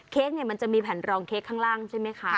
เค้กเนี่ยมันจะมีแผ่นรองเค้กข้างล่างใช่ไหมคะ